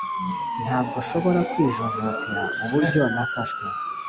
ntabwo nshobora kwijujutira uburyo nafashwe.